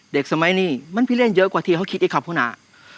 เด็กสมัยนี้มันพิเลี่ยนเยอะกว่าที่เขาคิดไอ้ครอบครัวหน้า